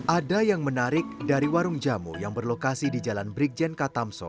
ada yang menarik dari warung jamu yang berlokasi di jalan brigjen katamso